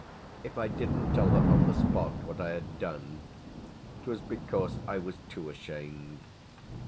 If I didn't tell her on the spot what I had done it was because I was too ashamed.